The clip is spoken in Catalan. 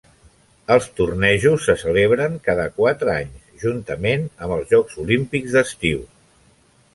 Els tornejos se celebren cada quatre anys, juntament amb els Jocs Olímpics d'estiu.